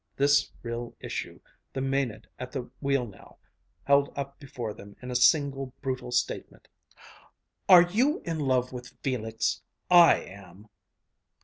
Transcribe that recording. This real issue, the maenad at the wheel now held up before them in a single brutal statement "Are you in love with Felix? I am."